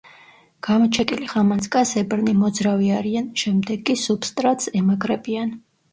გამოჩეკილი ხამანწკასებრნი მოძრავი არიან, შემდეგ კი სუბსტრატს ემაგრებიან.